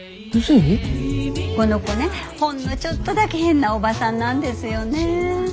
この子ねほんのちょっとだけ変なおばさんなんですよねぇ。